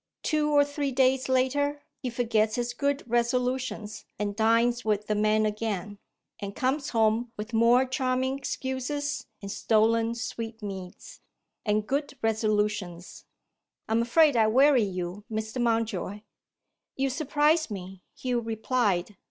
Two or three days later, he forgets his good resolutions, and dines with the men again, and comes home with more charming excuses, and stolen sweetmeats, and good resolutions. I am afraid I weary you, Mr. Mountjoy?" "You surprise me," Hugh replied.